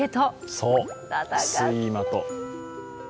そう、睡魔と。